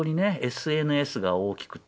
ＳＮＳが大きくて。